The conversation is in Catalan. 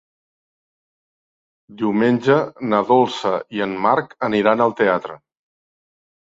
Diumenge na Dolça i en Marc aniran al teatre.